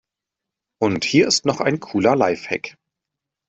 Und hier ist noch ein cooler Lifehack.